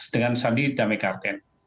dengan sandi damai karetan